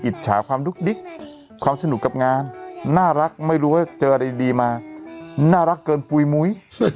จฉาความดุ๊กดิ๊กความสนุกกับงานน่ารักไม่รู้ว่าเจออะไรดีมาน่ารักเกินปุ๋ยมุ้ย